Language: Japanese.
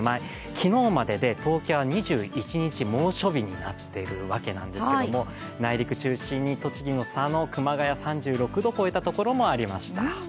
昨日までで東京は２１日猛暑日になっているわけなんですけれども内陸中心に栃木の佐野、熊谷３６度を超えたところもありました。